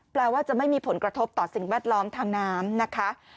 แปลว่าจะไม่มีผลกระทบต่อสิ่งแวดล้อมทางน้ำนะคะ